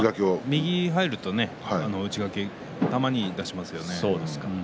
右に入ると内掛けたまに出しますよね。